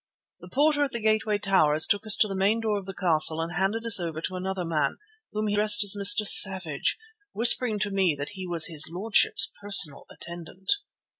The porter at the gateway towers took us to the main door of the castle and handed us over to another man, whom he addressed as Mr. Savage, whispering to me that he was his lordship's personal attendant.